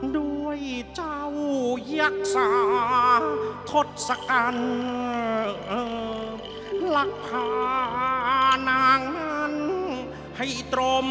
ด้วยเจ้ายักษาทศกัณฑ์หลักพานางนั้นให้ตรม